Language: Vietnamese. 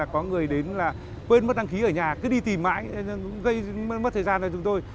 có người đến là quên mất đăng ký ở nhà cứ đi tìm mãi gây mất thời gian cho chúng tôi